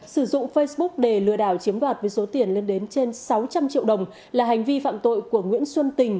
sử dụng facebook để lừa đảo chiếm đoạt với số tiền lên đến trên sáu trăm linh triệu đồng là hành vi phạm tội của nguyễn xuân tình